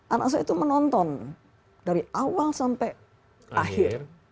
anak saya itu menonton dari awal sampai akhir